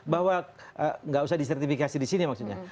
bahwa nggak usah disertifikasi di sini maksudnya